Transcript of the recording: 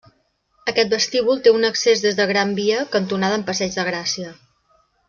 Aquest vestíbul té un accés des de Gran Via, cantonada amb Passeig de Gràcia.